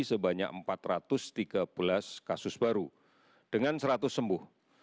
sebanyak empat ratus tiga belas kasus baru dengan seratus sembuh